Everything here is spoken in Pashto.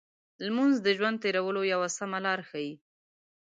لمونځ د ژوند تېرولو یو سمه لار ښيي.